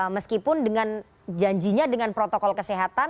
meskipun dengan janjinya dengan protokol kesehatan